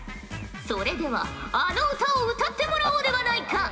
それではあの歌を歌ってもらおうではないか。